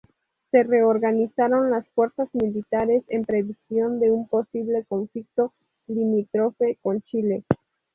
Se reorganizaron las fuerzas militares en previsión de un posible conflicto limítrofe con Chile.